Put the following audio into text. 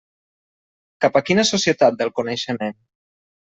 Cap a quina Societat del Coneixement?